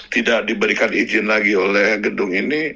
tidak diberikan izin lagi oleh gedung ini